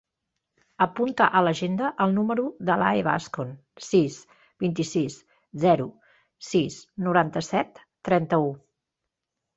Apunta a l'agenda el número de l'Alae Bascon: sis, vint-i-sis, zero, sis, noranta-set, trenta-u.